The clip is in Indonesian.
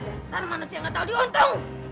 desar manusia gak tau diuntung